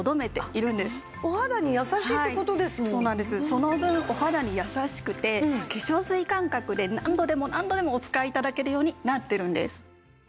その分お肌に優しくて化粧水感覚で何度でも何度でもお使い頂けるようになっているんです。